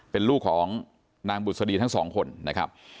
เป็นลูกของนางบุษดีทั้งสองคนนะครับ